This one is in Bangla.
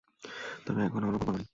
তবে এখন আমার আর কোন পরোয়া নেই।